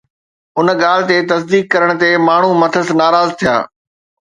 ان ڳالهه جي تصديق ڪرڻ تي ماڻهو مٿس ناراض ٿيا